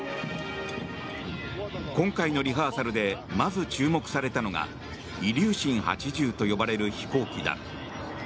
今回のリハーサルでまず注目されたのがイリューシン８０と呼ばれる飛行機だ。